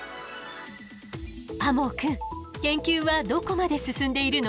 天羽くん研究はどこまで進んでいるの？